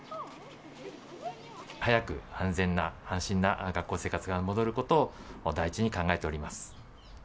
早く安全な、安心な学校生活が戻ることを第一に考えております。